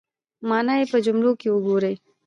مانا یې په جملو کې وګورئ